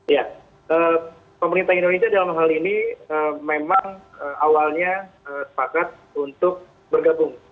ya pemerintah indonesia dalam hal ini memang awalnya sepakat untuk bergabung